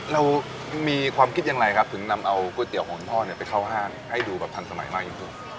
เรามีความคิดอย่างไรครับถึงนำเอาก๋วยเตี๋ยวของคุณพ่อไปเข้าห้างให้ดูแบบทันสมัยมากยิ่งขึ้น